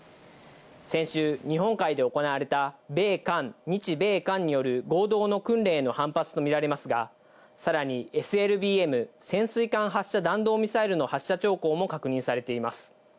先週、日本海で行われた米韓、日米韓による合同の訓練への反発とみられますが、さらにＳＬＢＭ＝潜水艦発射弾道ミサイルの発射兆候も確認されています。